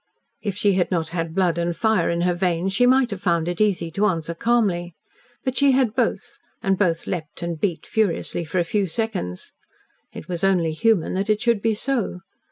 If she had not had blood and fire in her veins, she might have found it easy to answer calmly. But she had both, and both leaped and beat furiously for a few seconds. It was only human that it should be so.